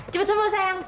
cepet semua sayang